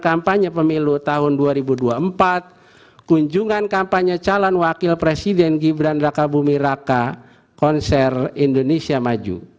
kampanye pemilu tahun dua ribu dua puluh empat kunjungan kampanye calon wakil presiden gibran raka bumi raka konser indonesia maju